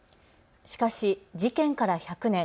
しかし事件から１００年。